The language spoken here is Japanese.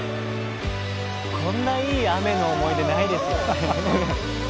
こんないい雨の思い出ないですよね。